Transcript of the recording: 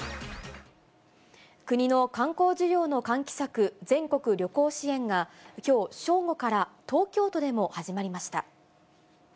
国の観光需要の喚起策、全国旅行支援が、きょう正午から東京都でも始まりました。